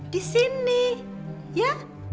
di sini ya